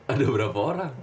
ada berapa orang